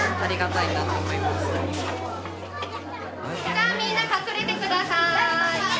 じゃあみんな隠れてください。